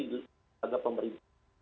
di luar negara pemerintah